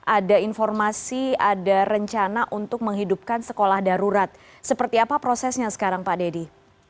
ada informasi ada rencana untuk menghidupkan sekolah darurat seperti apa prosesnya sekarang pak dedy